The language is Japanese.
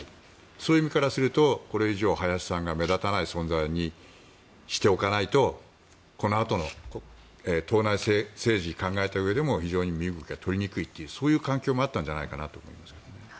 そういう意味からするとこれ以上、林さんが目立たない存在にしておかないとこのあとの党内政治を考えたうえでも非常に身動きが取りにくいというそういう環境もあったんじゃないかと思いますけど。